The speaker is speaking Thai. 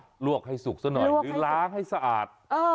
โชว์ให้สุกสักหน่อยหรือล้างให้สะอาด